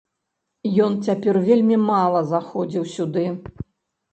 Ён цяпер вельмі мала заходзіў сюды.